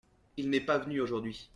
Il n’est pas venu aujourd’hui.